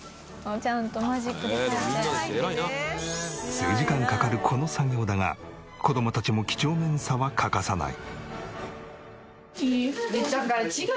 数時間かかるこの作業だが子供たちも几帳面さは欠かさない。